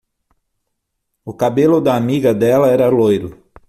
O cabelo da amiga dela era loiro.